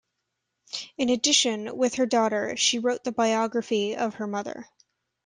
In addition, with her daughter, she wrote the biography of her mother.